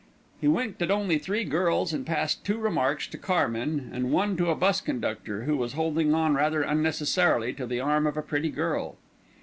He winked at only three girls and passed two remarks to carmen, and one to a bus conductor, who was holding on rather unnecessarily to the arm of a pretty girl.